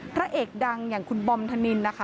พระเอกดังอย่างคุณบอมธนินนะคะ